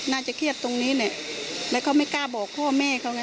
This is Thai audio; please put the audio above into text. น่าจะเครียดตรงนี้แหละแล้วเขาไม่กล้าบอกพ่อแม่เขาไง